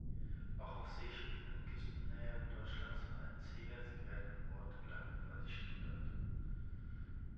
Auch auf Seeschiffen in Küstennähe Deutschlands war ein C-Netz-Gerät an Bord lange Quasi-Standard.